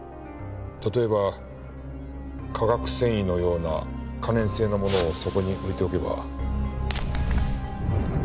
例えば化学繊維のような可燃性のものをそこに置いておけば。